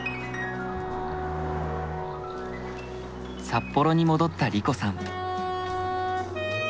札幌に戻った梨子さん。